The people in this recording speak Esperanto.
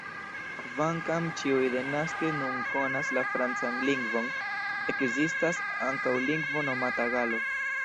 Kvankam ĉiuj denaske nun konas la francan lingvon, ekzistas ankaŭ lingvo nomata "galo".